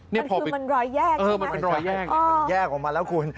คือมันรอยแยกใช่ไหมอ๋อใช่มันแยกออกมาแล้วคุณ